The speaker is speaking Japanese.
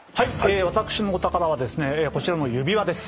私のお宝はですねこちらの指輪です。